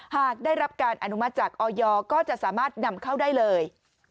หากได้รับการอนุมัติจากออยก็จะสามารถนำเข้าได้เลย